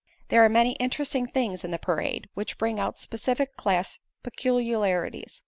There are many interesting things in the parade, which bring out specific class peculiarities.